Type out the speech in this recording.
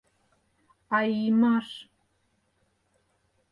А «иймаш?»